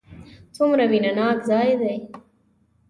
څومره مینه ناک ځای دی.